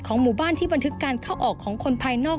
หมู่บ้านที่บันทึกการเข้าออกของคนภายนอก